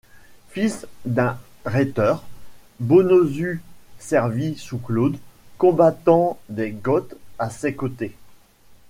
Fils d'un rhéteur, Bonosus servit sous Claude, combattant les Goths à ses côtés.